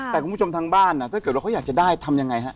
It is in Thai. แต่คุณผู้ชมทางบ้านถ้าเกิดว่าเขาอยากจะได้ทำยังไงฮะ